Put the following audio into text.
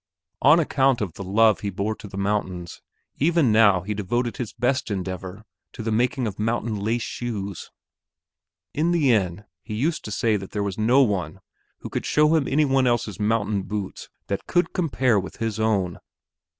On account of the love he bore to the mountains, even now he devoted his best endeavor to the making of mountain lace shoes. In the inn he used to say that there was no one who could show him any one else's mountain boots that could compare with his own.